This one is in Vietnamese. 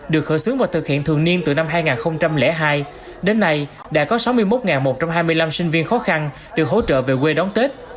được khởi xướng và thực hiện thường niên từ năm hai nghìn hai đến nay đã có sáu mươi một một trăm hai mươi năm sinh viên khó khăn được hỗ trợ về quê đón tết